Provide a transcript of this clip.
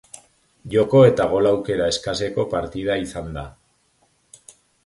Joko eta gol-aukera eskaseko partida izan da.